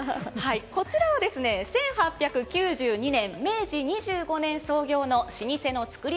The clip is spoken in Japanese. こちらは１８９２年明治２５年創業の老舗の造り